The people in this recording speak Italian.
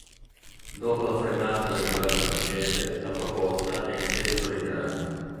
Dopo la frenata del governo francese, la proposta è in seguito ritirata.